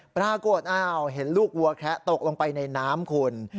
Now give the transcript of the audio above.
ปรากฏอ้าวเห็นลูกวัวแคะตกลงไปในน้ำคุณ